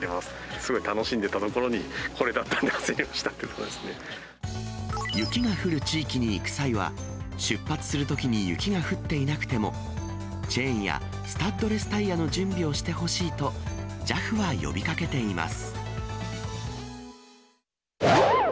すごい楽しんでいたところにこれだったんで焦りましたということ雪が降る地域に行く際は、出発するときに雪が降っていなくても、チェーンやスタッドレスタイヤの準備をしてほしいと、ＪＡＦは呼びかけています。